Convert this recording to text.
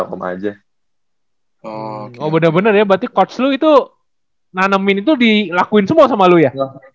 oh bener bener ya berarti coach lu itu nanemin itu dilakuin semua sama lu ya